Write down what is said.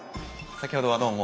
先ほどはどうも。